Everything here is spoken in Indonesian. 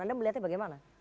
anda melihatnya bagaimana